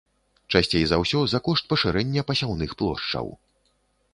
Часцей за ўсё, за кошт пашырэння пасяўных плошчаў.